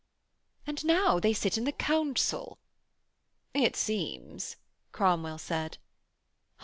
'And now they sit in the council.' 'It seems,' Cromwell said.